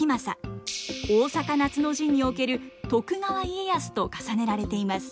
大坂夏の陣における徳川家康と重ねられています。